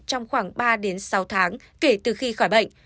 trong khoảng ba đến sáu tháng kể từ khi khỏi bệnh